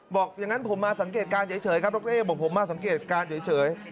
บอกอย่างนั้นผมมาสังเกตการณ์เฉยครับดรบอกผมมาสังเกตการณ์เฉย